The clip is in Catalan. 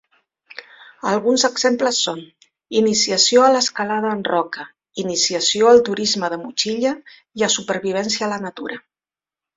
Alguns exemples són: iniciació a l'escalada en roca, iniciació al turisme de motxilla i a supervivència a la natura.